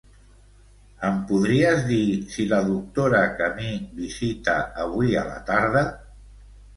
Em podries dir si la doctora Camí visita avui a la tarda?